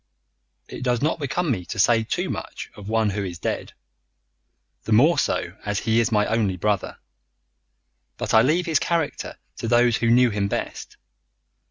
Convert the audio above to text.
"It does not become me to say too much of one who is dead, the more so as he is my only brother, but I leave his character to those who knew him best.